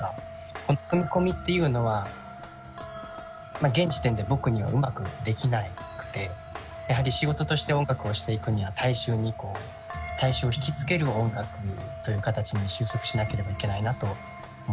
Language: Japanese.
この組み込みっていうのは現時点で僕にはうまくできなくてやはり仕事として音楽をしていくには大衆にこう大衆をひきつける音楽という形に収束しなければいけないなと思ってて。